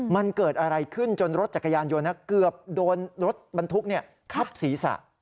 มันเกิดอะไรขึ้นจนรถจักรยานยนต์เกือบโดนรถบรรทุกทับศีรษะ